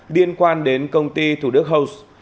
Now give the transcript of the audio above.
liên quan đến công ty thủ đức house